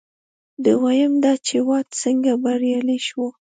دویم دا چې واټ څنګه بریالی شو.